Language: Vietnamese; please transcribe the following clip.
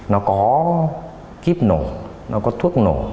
nó có kiếp nổ nó có thuốc nổ